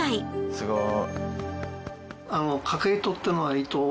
すごい。